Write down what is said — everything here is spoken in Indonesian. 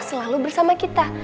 selalu bersama kita